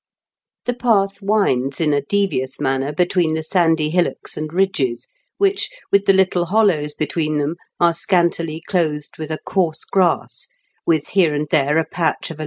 The path winds in a devious manner 826 IN KENT WITS CMABLEB DICKENS. between the sandy hillocks and ridges whieh^ with the little hollows between them, ai?e scantily clothed with a coarse grass, with here and there a patch of s.